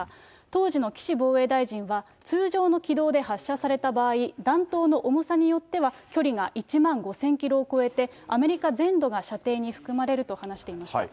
当時の岸防衛大臣は、通常の軌道で発射された場合、弾頭の重さによっては、距離が１万５０００キロを超えて、アメリカ全土が射程に含まれると話していました。